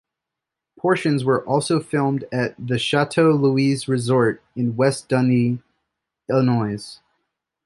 Portions were also filmed at the Chateau Louise Resort in West Dundee, Illinois.